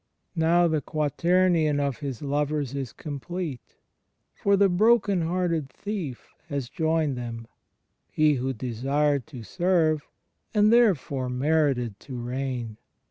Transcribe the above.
Now the quaternion of His lovers is complete, for the broken hearted Thief has joined them — he who desired to serve, and therefore merited to reign.